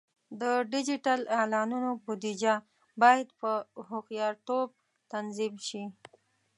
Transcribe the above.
د ډیجیټل اعلانونو بودیجه باید په هوښیارتوب تنظیم شي.